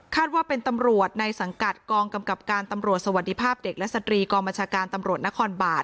ว่าเป็นตำรวจในสังกัดกองกำกับการตำรวจสวัสดีภาพเด็กและสตรีกองบัญชาการตำรวจนครบาล